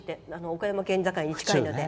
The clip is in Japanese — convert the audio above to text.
岡山県境に近いので。